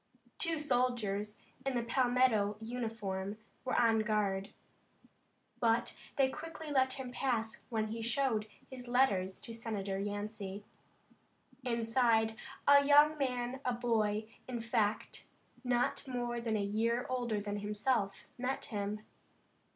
Two soldiers in the Palmetto uniform were on guard, but they quickly let him pass when he showed his letters to Senator Yancey. Inside, a young man, a boy, in fact, not more than a year older than himself, met him.